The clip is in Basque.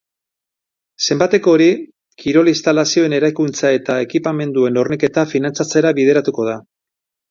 Zenbateko hori kirol-instalazioen eraikuntza eta ekipamenduen horniketa finantzatzera bideratuko da.